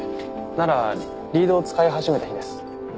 ならリードを使い始めた日です。